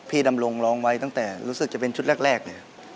ดำรงร้องไว้ตั้งแต่รู้สึกจะเป็นชุดแรกเลย